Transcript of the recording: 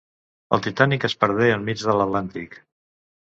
El Titanic es perdé enmig de l'Atlàntic.